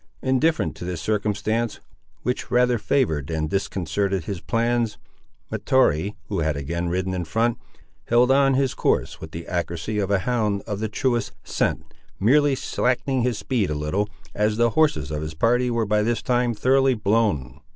Indifferent to this circumstance, which rather favoured than disconcerted his plans, Mahtoree, who had again ridden in front, held on his course with the accuracy of a hound of the truest scent, merely slackening his speed a little, as the horses of his party were by this time thoroughly blown.